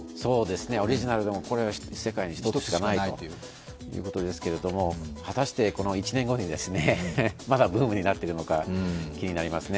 オリジナルで、世界に１つしかないということですけれども、果たして、この１年後にまだブームになってるのか気になりますね。